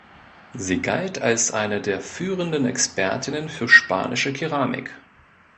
Sie galt als eine der führenden Expertinnen für spanische Keramik.